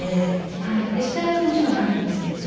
下絵はもちろんあるんですけれども。